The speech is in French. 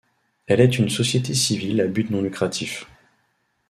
Elle est une société civile à but non lucratif.